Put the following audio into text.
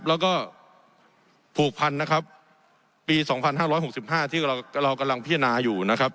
แล้วก็ผูกพันธุ์นะครับปีสองพันห้าร้อยหกสิบห้าที่เรากำลังพิจารณาอยู่นะครับ